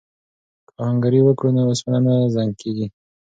که آهنګري وکړو نو اوسپنه نه زنګ کیږي.